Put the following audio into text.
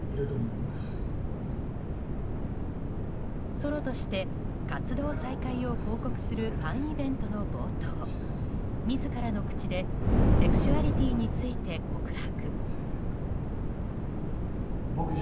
ソロとして活動再開を報告するファンイベントの冒頭自らの口でセクシュアリティーについて告白。